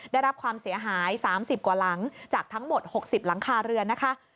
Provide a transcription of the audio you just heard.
ได้รับความเสียหาย๓๐กว่าหลังจากทั้งหมด๖๐หลังคาเรือนนะคะ